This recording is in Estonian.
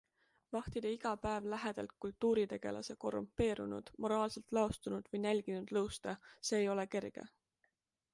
Vahtida iga päev lähedalt kultuuritegelase korrumpeerunud, moraalselt laostunud või nälginud lõusta, see ei ole kerge.